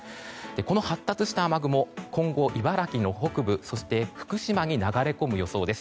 この発達した雨雲今後、茨城の北部そして福島に流れ込む予想です。